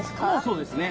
そうですね。